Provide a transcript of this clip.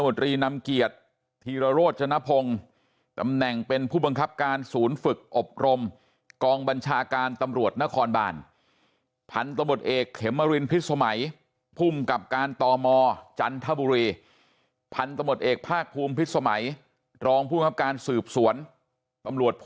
เดี๋ยวไล่ดูหน่อยนะครับ๘นายนี้นะครับทุกผู้ชมครับ